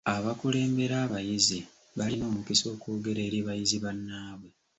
Abakulembera abayizi balina omukisa okwogera eri bayizi bannaabwe.